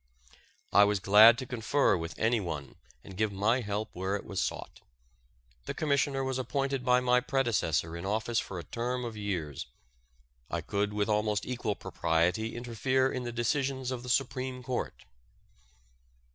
I was glad to confer with any one and give my help where it was sought. The Commissioner was appointed by my predecessor in office for a term of years. I could with almost equal propriety interfere in the decisions of the Supreme Court.